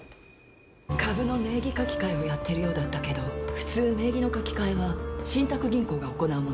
株の名義書き換えをやってるようだったけど普通名義の書き換えは信託銀行が行うもんでしょ？